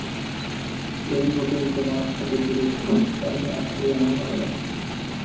এই হোটেল তোমার হাতে তুলে দিতে পারলে আসলেই আমার ভালো লাগতো।